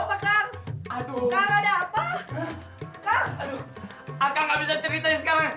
aku nggak bisa ceritain sekarang